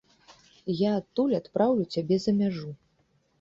Я адтуль адпраўлю цябе за мяжу.